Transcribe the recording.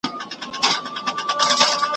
کډي باریږي مېني سوې توري ,